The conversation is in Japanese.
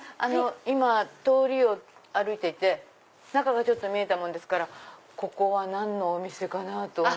今通りを歩いていて中が見えたもんですからここは何のお店かな？と。